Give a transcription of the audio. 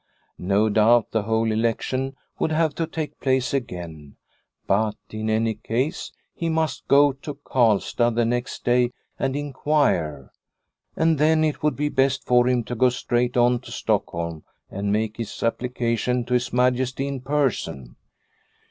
No doubt the whole election would have to take place again, but in any case he must go to Karlstad the next day and inquire, and then it would be best for him to go straight on to Stockholm and make his application to His Majesty in person.